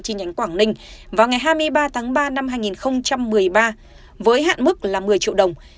chi nhánh quảng ninh vào ngày hai mươi ba tháng ba năm hai nghìn một mươi ba với hạn mức là một mươi triệu đồng